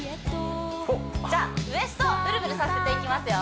じゃあウエストぶるぶるさせていきますよ